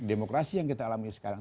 demokrasi yang kita alami sekarang